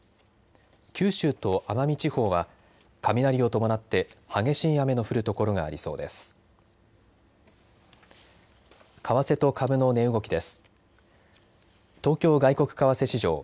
九州と奄美地方は雷を伴って激しい雨の降る所がありそうです。